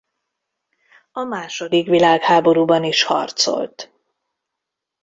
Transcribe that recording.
A második világháborúban is harcolt.